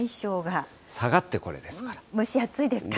下がってこれですから。ですね。